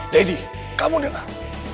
lady kamu dengar